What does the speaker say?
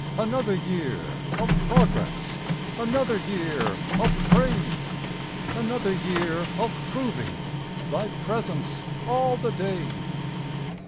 Another year of progress, Another year of praise; Another year of proving Thy presence 'all the days.'